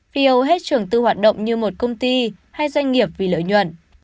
vì hầu hết trường tư hoạt động như một công ty hay doanh nghiệp vì lợi nhuận